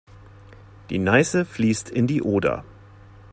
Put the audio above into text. Die Neiße fließt in die Oder.